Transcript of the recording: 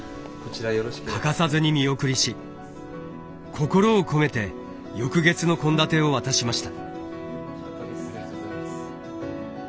欠かさずに見送りし心を込めて翌月の献立を渡しました。